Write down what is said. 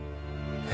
え？